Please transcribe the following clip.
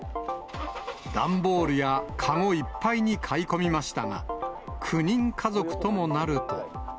段ボールや籠いっぱいに買い込みましたが、９人家族ともなると。